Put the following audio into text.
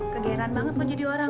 kegeraan banget mau jadi orang